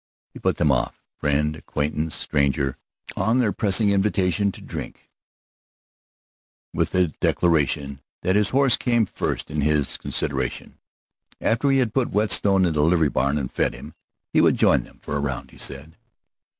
He put them off friend, acquaintance, stranger, on their pressing invitation to drink with the declaration that his horse came first in his consideration. After he had put Whetstone in the livery barn and fed him, he would join them for a round, he said.